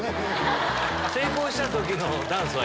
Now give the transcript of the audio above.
成功した時のダンスは